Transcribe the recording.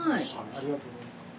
ありがとうございます。